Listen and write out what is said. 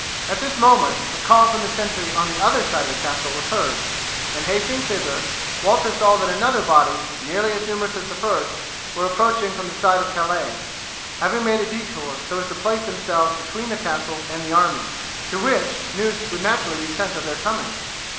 At this moment a call from the sentry on the other side of the castle was heard, and hastening thither, Walter saw that another body nearly as numerous as the first were approaching from the side of Calais, having made a detour so as to place themselves between the castle and the army, to which news would naturally be sent of their coming.